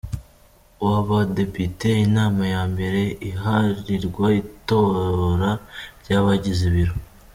w’Abadepite, inama ya mbere iharirwa itora ry’abagize Biro.